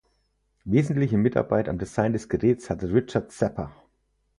Wesentliche Mitarbeit am Design des Geräts hatte Richard Sapper.